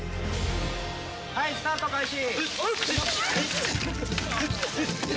はい、スタート開始。